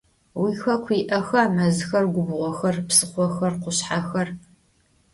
Vuixeku yi'exa mezxer, gubğoxer, psıxhoxer, khuşshexer?